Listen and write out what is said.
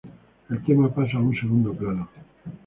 El tema pasa a un segundo plano.